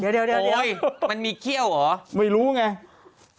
เดี๋ยวมันมีเองหรอ